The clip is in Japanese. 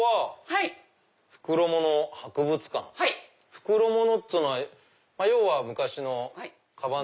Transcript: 袋物ってのは要は昔のカバン？